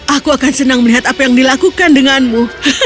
aku akan senang melihat apa yang dilakukan denganmu